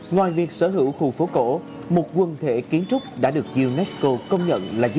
ngoài việc sở hữu khu phố cổ một quân thể kiến trúc đã được unesco công nhận là di sản